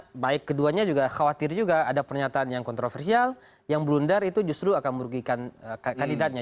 karena baik keduanya khawatir juga ada pernyataan yang kontroversial yang blundar itu justru akan merugikan kandidatnya